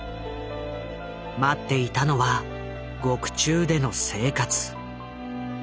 待っていたのは獄中での生活。